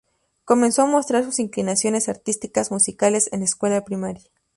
Comenzó a mostrar sus inclinaciones artísticas musicales en la escuela primaria.